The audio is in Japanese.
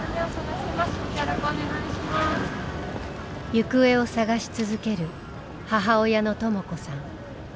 行方を捜し続ける母親のとも子さん。